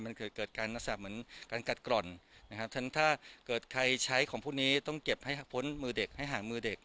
มันเกิดเกิดการอาสาบเหมือนการกัดกร่อนนะครับฉะนั้นถ้าเกิดใครใช้ของพวกนี้ต้องเก็บให้หักพ้นมือเด็ก